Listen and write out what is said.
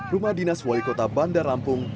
rumah dinas wali kota bandar lampung